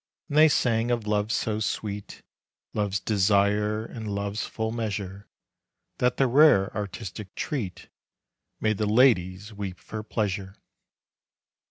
And they sang of love so sweet, Love's desire and love's full measure, That the rare artistic treat Made the ladies weep for pleasure.